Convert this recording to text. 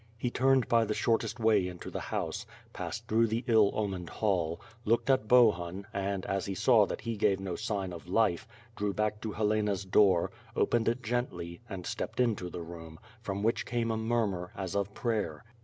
He turned by the shortest way into the house, passed through the ill omened hall, looked at Bohun, and, as, he saw that he gave no sign of life, drew back to Helena's door, opened it gently, and stepped into the room, from which came a murmur, as of prayer.